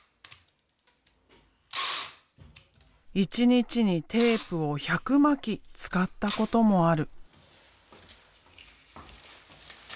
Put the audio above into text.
一日にテープを１００巻使ったこともある。